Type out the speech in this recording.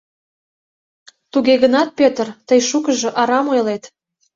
Туге гынат, Пӧтыр, тый шукыжо арам ойлет...